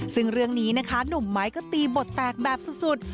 ซึ่งเรื่องนี้นะคะหนุ่มไม้ก็ตีบทแตกแบบสุด